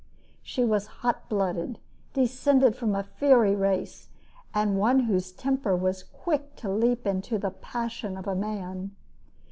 She was hot blooded, descended from a fiery race, and one whose temper was quick to leap into the passion of a man.